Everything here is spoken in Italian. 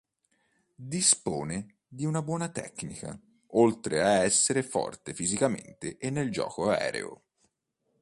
Dispone di buona tecnica, oltre a essere forte fisicamente e nel gioco aereo.